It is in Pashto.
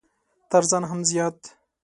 تر ځان هم زيات!